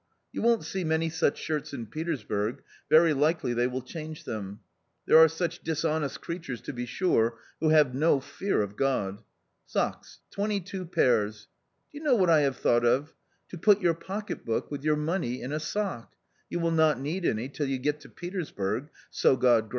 You won't see many such shirts in Petersburg, very likely they will change them ; there are such dishonest creatures to be sure, who have no fear of God. Socks — twenty two pairs. D o y ou know wh 9t T haYS t hni1 g hr of ? TQDUt your porkpr hook with ynnr trinity in j^sork^ Vnu w flTnb 't need any_iilLy£u get to Petersburg — so Ond ffra.